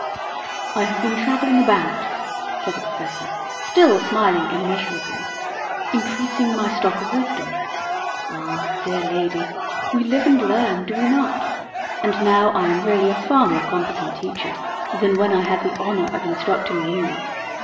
"I have been travelling about," said the Professor, still smiling immeasurably, "increasing my stock of wisdom. Ah, dear lady—we live and learn, do we not? And now I am really a far more competent teacher than when I had the honour of instructing you.